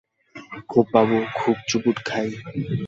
খুব বাবু, খুব চুবুট খায়।